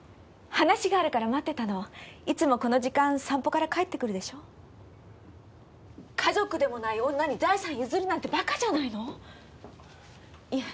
話があるから待ってたのいつもこの時間散歩から帰ってくるで家族でもない女に財産譲るなんてバカいえ